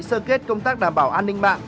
sơ kết công tác đảm bảo an ninh mạng